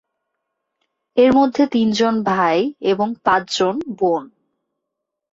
এর মধ্যে তিনজন ভাই এবং পাঁচ জন বোন।